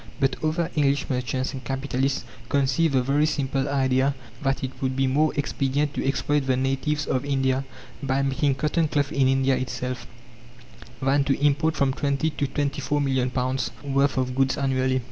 But other English merchants and capitalists conceived the very simple idea that it would be more expedient to exploit the natives of India by making cotton cloth in India itself, than to import from twenty to twenty four million pounds' worth of goods annually.